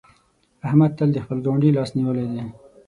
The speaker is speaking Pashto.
احمد تل د خپل ګاونډي لاس نيولی دی.